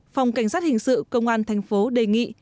phòng cảnh sát hình sự công an thành phố đề nghị